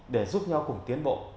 để giúp nhau cùng tiến bộ